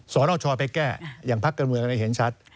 สนชไปแก้อย่างภาคกรเมืองนี่เห็นชัด